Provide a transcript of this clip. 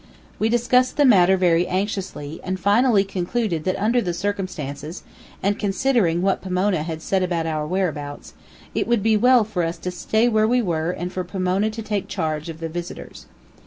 We discussed the matter very anxiously, and finally concluded that under the circumstances, and considering what Pomona had said about our whereabouts, it would be well for us to stay where we were and for Pomona to take charge of the visitors.